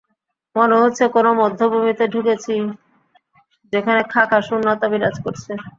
মনে হচ্ছে, কোনো বধ্যভূমিতে ঢুকেছি যেখানে খাঁ খাঁ শূন্যতা বিরাজ করছে।